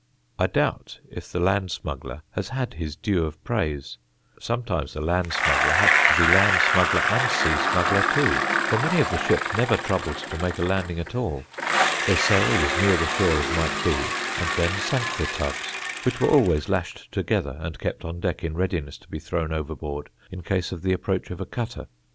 I doubt if the land smuggler has had his due of praise. Sometimes the land smuggler had to be land smuggler and sea smuggler too, for many of the ships never troubled to make a landing at all. They sailed as near the shore as might be and then sank the tubs, which were always lashed together and kept on deck in readiness to be thrown overboard in case of the approach of a cutter.